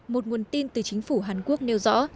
một nguồn tin từ chính phủ hàn quốc nêu rõ